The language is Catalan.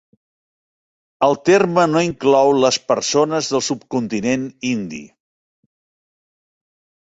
El terme no inclou les persones del subcontinent indi.